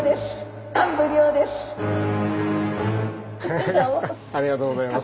フフッありがとうございます。